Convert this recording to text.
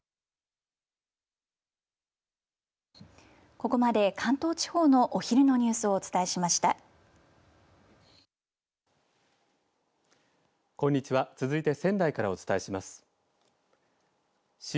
ここまで関東地方のお昼のニュースをお伝えしました。